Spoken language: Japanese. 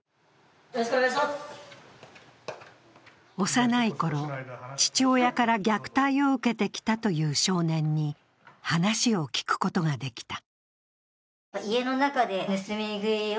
幼いころ、父親から虐待を受けてきたという少年に話を聞くことができた。